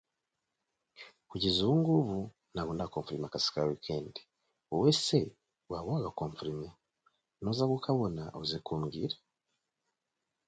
In the piece, he made several incorrect assumptions about his primary subject.